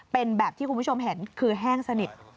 เป็นแบบที่คุณผู้ชมเห็นคือแห้งสนิท